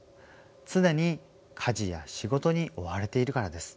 常に家事や仕事に追われているからです。